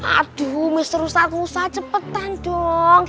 aduh mr ustadz musa cepetan dong